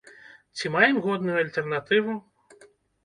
Ці маем годную альтэрнатыву?